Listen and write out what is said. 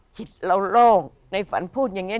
จิตเราโล่งในฝันพูดอย่างนี้